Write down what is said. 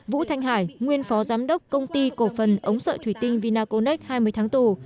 vũ thanh hải nguyên phó giám đốc công ty cổ phần ống sợi thủy tinh vinaconex hai mươi tháng tù